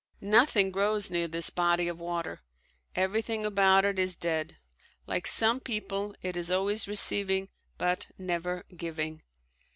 Nothing grows near this body of water. Everything about it is dead. Like some people, it is always receiving but never giving.